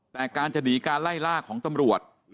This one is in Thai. แต่การจะหนีการไล่ล่าของตำรวจ